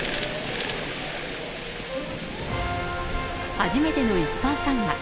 初めての一般参賀。